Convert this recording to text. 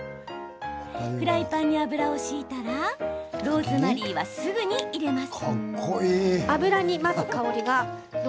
フライパンに油を引いたらローズマリーはすぐに入れます。